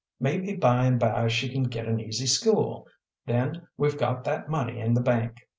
Maybe by and by she can get an easy school. Then, we've got that money in the bank."